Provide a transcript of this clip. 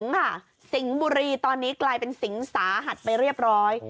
ค่ะสิงห์บุรีตอนนี้กลายเป็นสิงสาหัสไปเรียบร้อย